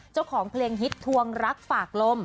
เจ้าของเพลงฮิตทวงรักฝากลม